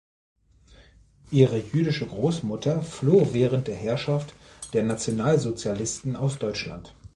Ihre jüdische Großmutter floh während der Herrschaft der Nationalsozialisten aus Deutschland.